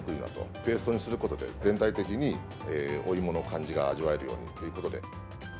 ペーストにすることで、全体的にお芋の感じが味わえるようにということで。